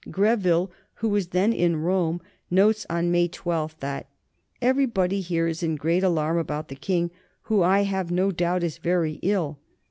Greville, who was then in Rome, notes on May 12 that: "Everybody here is in great alarm about the King, who I have no doubt is very ill."